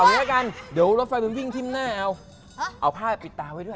เอามันนี้ละกันเดี๋ยวรถไฟมันหรือมินทิ้งทีมหน้าเอ้าเอาผ้าแบบปิดตาไว้ด้วย